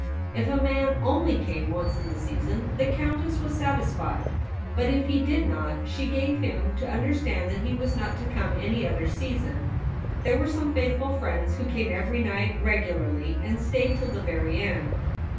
If a man only came once in the season, the Countess was satis fied ; but if he did not, she gave him to understand that he was not to come any other season. There were some faithful friends who came every night regularly, and stayed till the very end.